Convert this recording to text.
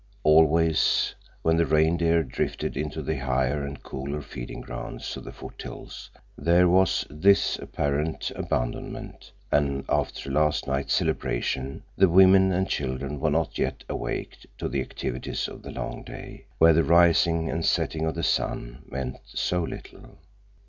Always, when the reindeer drifted into the higher and cooler feeding grounds of the foothills, there was this apparent abandonment, and after last night's celebration the women and children were not yet awake to the activities of the long day, where the rising and setting of the sun meant so little.